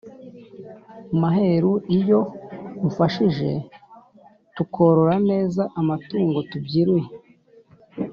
Maheru iyo umfashije Tukorora neza Amatungo tubyiruye!